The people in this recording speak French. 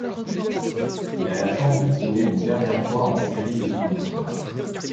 Il a la chance de jouer une dernière fois en séries éliminatoires.